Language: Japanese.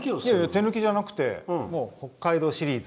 手抜きじゃなくて北海道シリーズ。